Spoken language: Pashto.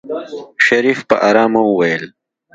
شريف په آرامه وويل.